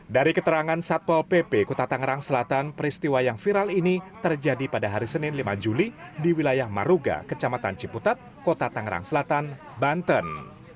dari keterangan satpol pp kota tangerang selatan peristiwa yang viral ini terjadi pada hari senin lima juli di wilayah maruga kecamatan ciputat kota tangerang selatan banten